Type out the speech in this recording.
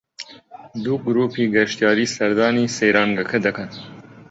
دوو گرووپی گەشتیاری سەردانی سەیرانگەکە دەکەن